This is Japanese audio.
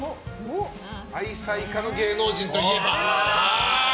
愛妻家の芸能人といえば？